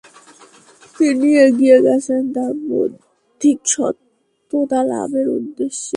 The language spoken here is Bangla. তিনি এগিয়ে গেছেন তার বৌদ্ধিক সততা লাভের উদ্দেশ্যে।